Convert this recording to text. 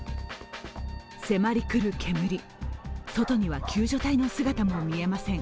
迫り来る煙、外には救助隊の姿も見えません。